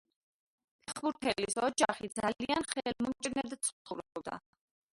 ფეხბურთელის ოჯახი ძალიან ხელმომჭირნედ ცხოვრობდა.